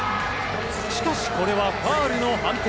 しかし、これはファウルの判定。